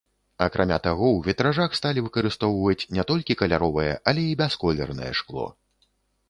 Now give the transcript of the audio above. Акрамя таго ў вітражах сталі выкарыстоўваць не толькі каляровае, але і бясколернае шкло.